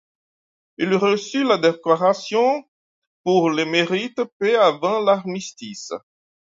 Il reçut la décoration Pour le Mérite peu avant l'armistice.